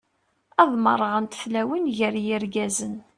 Ad merrɣent tlawin gar yirgazen.